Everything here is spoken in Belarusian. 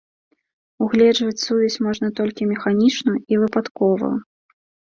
Угледжваць сувязь можна толькі механічную і выпадковую.